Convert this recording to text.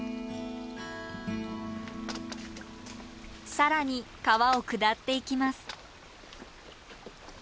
更に川を下っていきます。